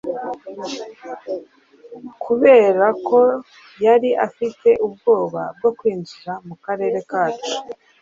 kubera ko yari afite ubwoba bwo kwinjira mukarere kacu